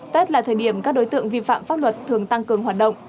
tết là thời điểm các đối tượng vi phạm pháp luật thường tăng cường hoạt động